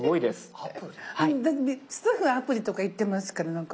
だってスタッフがアプリとか言ってますからなんか。